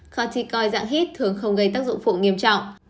corticoid dạng hit thường không gây tác dụng phụ nghiêm trọng